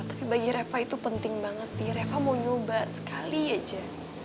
tapi bagi reva itu penting banget nih reva mau nyoba sekali aja